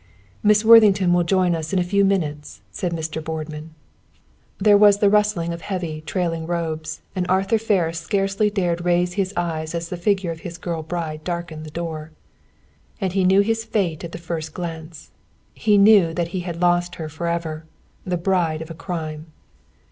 "Miss Worthington will join us in a few moments," said Mr. Boardman. There was the rustling of heavy, trailing robes, and Arthur Ferris scarcely dared raise his eyes as the figure of his girl bride darkened the door. And he knew his fate at the first glance! He knew that he had lost her forever, the bride of a crime.